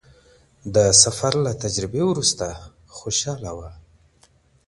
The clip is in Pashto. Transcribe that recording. د سفر له تجربې وروسته خوشحاله وه.